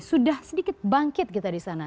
sudah sedikit bangkit kita di sana